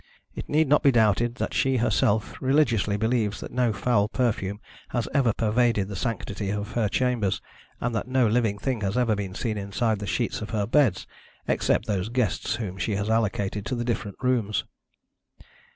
It need not be doubted that she herself religiously believes that no foul perfume has ever pervaded the sanctity of her chambers, and that no living thing has ever been seen inside the sheets of her beds, except those guests whom she has allocated to the different rooms.